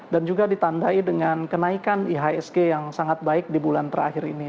dan juga ditandai dengan kenaikan ihsg yang sangat baik di bulan terakhir ini